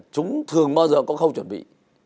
chúng thường bao giờ cũng không chuẩn bị